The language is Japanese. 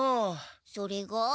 それが？